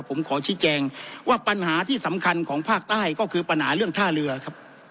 ผมขอชี้แจงว่าปัญหาที่สำคัญของภาคใต้ก็คือปัญหาเรื่องท่าเรือครับ